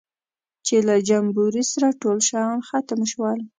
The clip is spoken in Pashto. چې له جمبوري سره ټول شیان ختم شول.